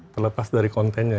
terlepas dari kontennya